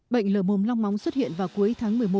bệnh lở mồm long móng xuất hiện vào cuối tháng một mươi một